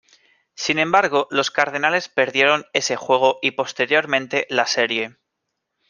Sin embargo los Cardenales perdieron ese juego y posteriormente la serie.